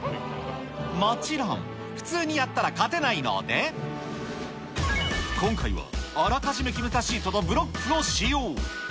もちろん、普通にやったら勝てないので、今回はあらかじめ決めたシートとブロックを使用。